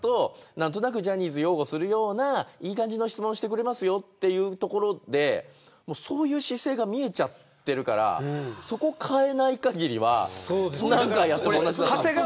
何となくジャニーズを擁護するような言い方をしてくれますよというところでそういう姿勢が見えちゃってるからそこを変えないかぎりは何回やっても同じ。